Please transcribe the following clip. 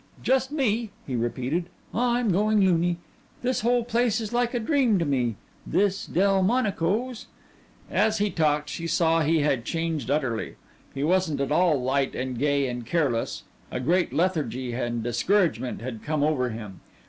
"Just me," he repeated. "I'm going loony. This whole place is like a dream to me this Delmonico's " As he talked she saw he had changed utterly. He wasn't at all light and gay and careless a great lethargy and discouragement had come over him.